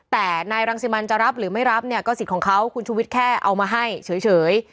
แต่นายรังสิมันจะรับหรือไม่รับเนี่ยก็สิทธิ์ของเขาคุณชุวิตแค่เอามาให้เฉย